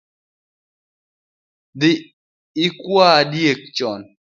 Dhi ikua diek chon